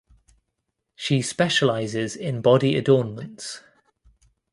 She specialises in body adornments.